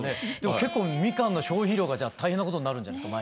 結構みかんの消費量が大変なことになるんじゃないですか。